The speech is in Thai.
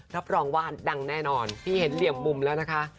รับรองว่าดังแน่นอนที่เห็นเหลี่ยมมุมแล้วนะคะ